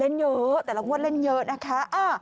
เล่นเยอะแต่รางวัลเล่นเยอะนะคะ